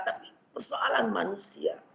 tapi persoalan manusia